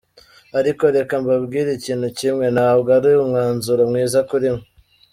Ariko reka mbabwire ikintu kimwe, ntabwo ari umwanzuro mwiza kuri mwe.